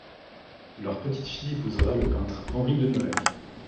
Leur petite-fille épousera le peintre Henri de Nolhac.